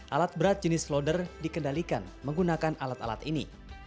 alat berat jenis loader dikendalikan menggunakan alat alat ini